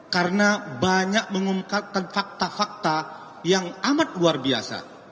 karena banyak mengungkatkan fakta fakta yang amat luar biasa